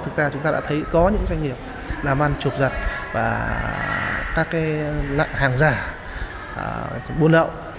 thực ra chúng ta đã thấy có những doanh nghiệp làm ăn chụp giặt và các hàng giả buôn ậu